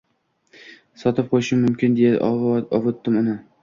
Sotib qo’yishim mumkin deya ovutdim uni.